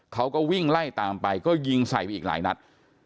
เขาก็วิ่งไล่ตามไปก็ยิงใส่ไปอีกหลายนัด